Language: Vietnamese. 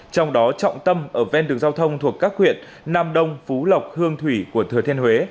trong đó trọng tâm ở ven đường giao thông thuộc các huyện nam đông phú lộc hương thủy của thừa thiên huế